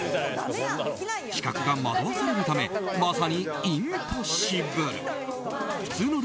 視覚が惑わされるためまさにインポッシブル。